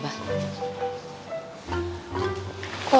abah itu pacar abah